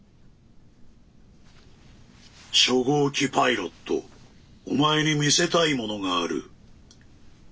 初号機パイロットお前に見せたいものがある。